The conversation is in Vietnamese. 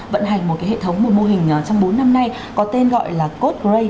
vận hành một hệ thống một mô hình trong bốn năm nay có tên gọi là code grey